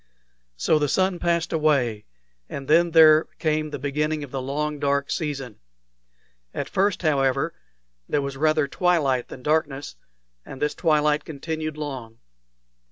So the sun passed away, and then there came the beginning of the long dark season. At first, however, there was rather twilight than darkness, and this twilight continued long.